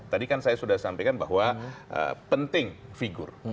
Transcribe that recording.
tadi kan saya sudah sampaikan bahwa penting figur